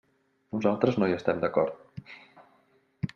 Nosaltres no hi estem d'acord.